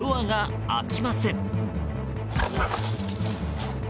ドアが開きません。